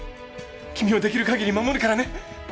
君をできるかぎり守るからね